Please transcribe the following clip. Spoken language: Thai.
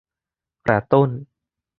กระตุ้น